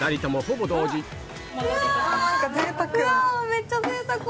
めっちゃぜいたく！